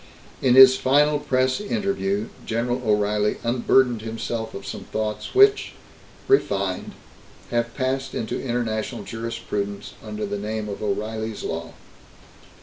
In his final press interview, General O'Reilly unburdened himself of some thoughts which refined have passed into international jurisprudence under the name of O'Reilly's Law.